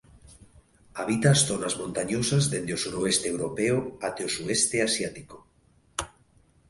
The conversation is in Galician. Habita as zonas montañosas dende o suroeste europeo até o sueste asiático.